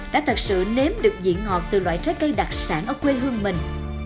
đã thật sự nếm được vị ngọt từ loại trái cây đặc sản ở quê hương mình